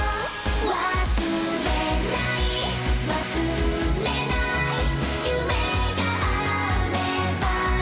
「忘れない忘れない」「夢があれば」